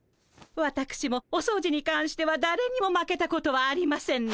わたくしもお掃除にかんしてはだれにも負けたことはありませんの。